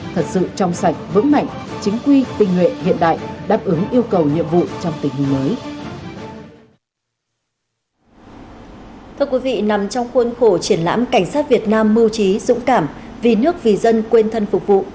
thưa quý vị nằm trong khuôn khổ triển lãm cảnh sát việt nam mưu trí dũng cảm vì nước vì dân quên thân phục vụ